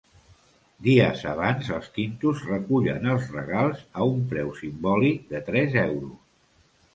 Dies abans els quintos recullen els regals a un preu simbòlic de tres euros.